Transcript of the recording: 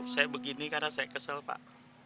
saya begini karena saya kesel pak